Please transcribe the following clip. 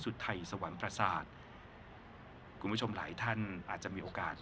สุทัยสวรรค์ประสาทกูไม่ชมหลายท่านอาจจะมีโอกาสได้